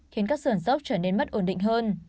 khiến các sườn dốc trở nên mất ổn định hơn